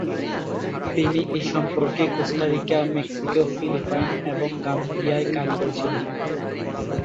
তিনি এই সম্পর্কে কোস্টারিকা, মেক্সিকো, ফিলিপাইন এবং গাম্বিয়ায় কাজ করেছিলেন।